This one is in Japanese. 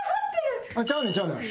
ちゃうねんちゃうねん。